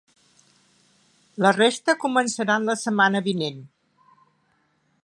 La resta començaran la setmana vinent.